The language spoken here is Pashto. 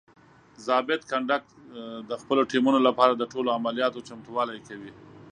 ضابط کنډک د خپلو ټیمونو لپاره د ټولو عملیاتو چمتووالی کوي.